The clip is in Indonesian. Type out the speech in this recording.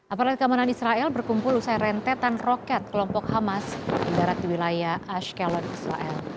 aparat keamanan israel berkumpul usai rentetan roket kelompok hamas di darat wilayah ashkelon israel